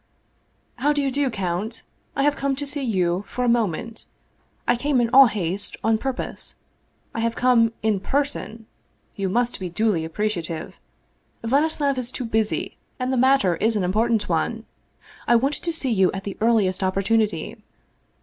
" How do you do, count ! I have come to see you for a moment. I came in all haste, on purpose. I have come in person, you must be duly appreciative! Vladislav is too busy, and the matter is an important one. I wanted to see you at the earliest opportunity.